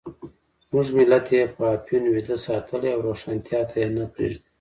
زموږ ملت یې په افیون ویده ساتلی او روښانتیا ته یې نه پرېږدي.